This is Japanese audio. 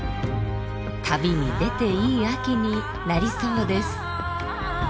旅に出ていい秋になりそうです。